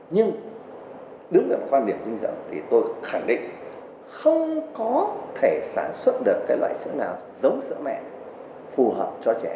nhưng đứng lại một quan điểm dinh dẫn thì tôi khẳng định không có thể sản xuất được loại sữa nào giống sữa mẹ phù hợp cho trẻ